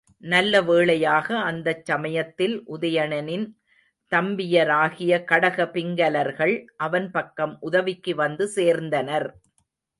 நல்லவேளையாக அந்தச் சமயத்தில் உதயணனின் தம்பியராகிய கடக பிங்கலர்கள் அவன் பக்கம் உதவிக்கு வந்து சேர்ந்தனர்.